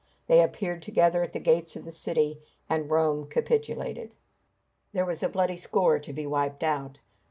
They appeared together at the gates of the city, and Rome capitulated. There was a bloody score to be wiped out.